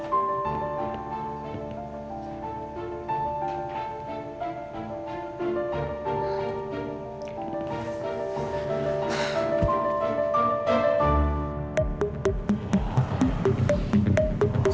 siapa tuh ya